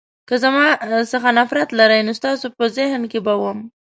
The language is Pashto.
که زما څخه نفرت لرئ نو ستاسو په ذهن کې به وم.